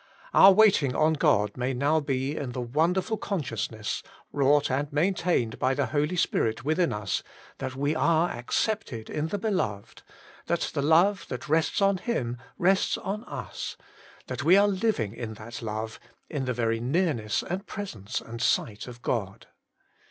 Our waiting on God may now be in the wonderful conscious ness, wrought and maintained by the Holy Spirit within us, that we are accepted in the Beloved, that the love that rests on Him rests on us, that we are living in that love, in the very nearness and presence and sight of God.